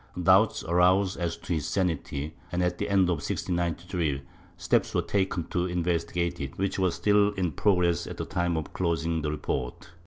Doubts arose as to his sanity and, at the end of 1693 steps were taken to investigate it, which were still in progress at the time of closing the report.